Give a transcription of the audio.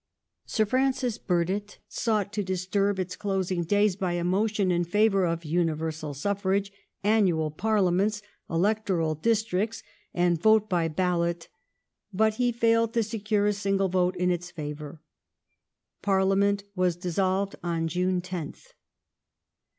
Sir Francis Burdett sought to disturb its closing days by a motion in favour of universal suffrage, annual Parliaments, electoral districts, and vote by ballot, but he failed to secure a single vote in its favour. Parliament was dissolved on June 10th.